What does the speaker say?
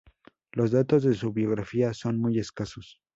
Los datos de su biografía son muy escasos.